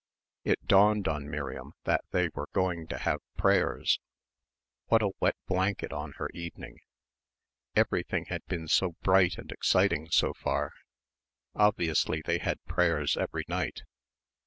It dawned on Miriam that they were going to have prayers. What a wet blanket on her evening. Everything had been so bright and exciting so far. Obviously they had prayers every night.